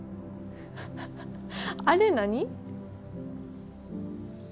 あれ何？